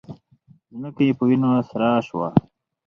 ځمکه یې په وینو سره شوه